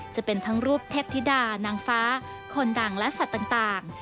จะเป็นทั้งรูปเทพธิดานางฟ้าคนดังและสัตว์ต่าง